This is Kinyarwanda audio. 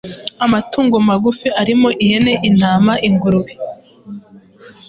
Amatungo magufi arimo ihene, intama, ingurube,